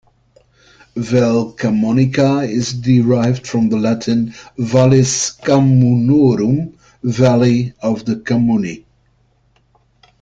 "Val Camonica" is derived from the Latin "Vallis Camunnorum", "Valley of the Camunni.